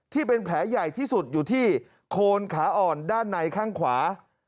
ที่เป็นแผลใหญ่ที่สุดอยู่ที่โคนขาอ่อนด้านในข้างขวา